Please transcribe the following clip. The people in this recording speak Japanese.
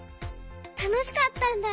たのしかったんだ。